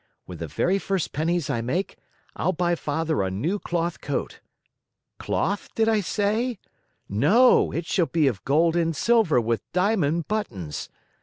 With the very first pennies I make, I'll buy Father a new cloth coat. Cloth, did I say? No, it shall be of gold and silver with diamond buttons.